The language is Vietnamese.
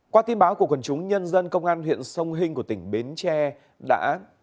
qua tin báo của quần chúng nhân dân công an huyện sông hinh của tỉnh bến tre đã